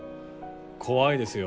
怖いですよ。